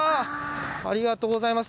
ありがとうございます。